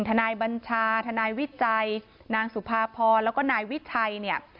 ทนายบัญชาทนายวิจัยนางสุภาพรแล้วก็นายวิทัย